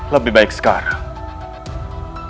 lebih baik sekarang